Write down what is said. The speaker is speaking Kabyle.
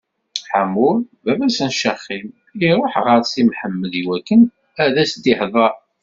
Ḥamur, baba-s n Caxim, iṛuḥ ɣer Si Mḥemmed iwakken ad s-ihdeṛ.